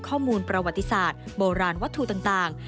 ข้อมูลประวัติศาสตร์โบราณวัตถุต่าง